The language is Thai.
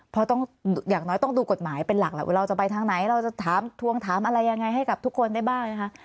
เพราะต้องอย่างน้อยต้องดูกฎหมายเป็นหลักแหละว่าเราจะไปทางไหนเราจะถามทวงถามอะไรยังไงให้กับทุกคนได้บ้างนะคะ